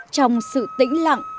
trong sự tĩnh lặng